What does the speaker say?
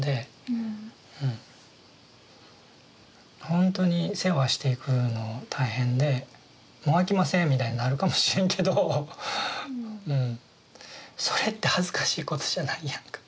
ほんとに世話していくの大変でもうあきませんみたいになるかもしれんけどそれって恥ずかしいことじゃないやんか。